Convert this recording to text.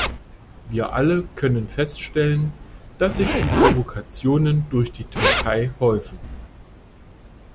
Wir alle können feststellen, dass sich die Provokationen durch die Türkei häufen.